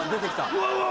うわうわ！